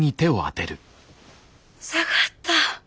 下がった。